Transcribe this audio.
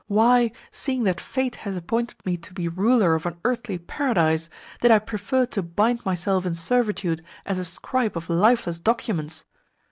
Why, seeing that fate has appointed me to be ruler of an earthly paradise, did I prefer to bind myself in servitude as a scribe of lifeless documents?